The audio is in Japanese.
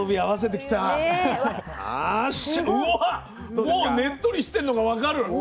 もうねっとりしてんのが分かる。